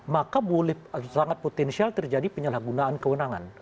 maka boleh sangat potensial terjadi penyalahgunaan kewenangan